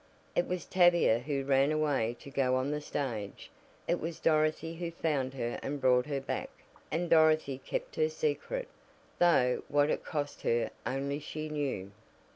It was Tavia who ran away to go on the stage, it was Dorothy who found her and brought her back. And Dorothy kept her "secret," though what it cost her only she knew.